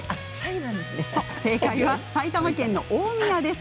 正解は、埼玉県の大宮です。